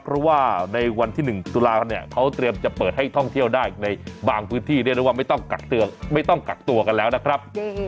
เพราะว่าในวันที่๑ตุลาเนี่ยเขาเตรียมจะเปิดให้ท่องเที่ยวได้ในบางพื้นที่เรียกได้ว่าไม่ต้องกักตัวกันแล้วนะครับ